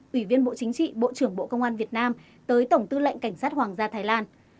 ủy viên bộ chính trị bộ trưởng bộ công an việt nam tới tổng tư lệnh cảnh sát hoàng gia thái lan